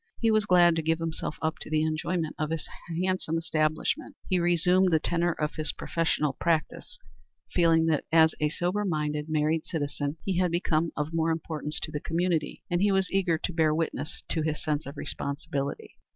He was glad to give himself up to the enjoyment of his handsome establishment. He resumed the tenor of his professional practice, feeling that as a sober minded, married citizen he had become of more importance to the community, and he was eager to bear witness to his sense of responsibility.